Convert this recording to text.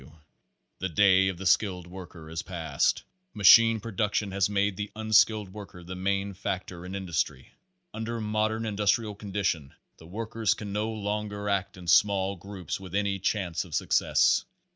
W. The day of the skilled worker is passed. Machine production has made the unskilled worker the main factor in industry. Un der modern industrial conditions the workers can no longer act in small groups with any chance of success.